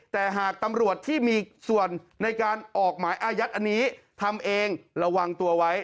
แต่หากตำรวจที่มีส่วนในการออกหมายอายัดอันนี้ทำเองระวังตัวไว้